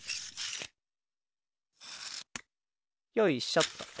よいしょっと。